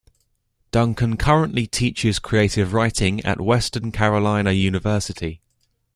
Duncan currently teaches creative writing at Western Carolina University.